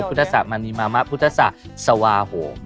พุทธศาสตร์มณีมามะพุทธศาสตร์สวาหงษ์